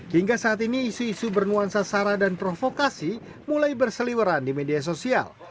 hingga saat ini isu isu bernuansa sara dan provokasi mulai berseliweran di media sosial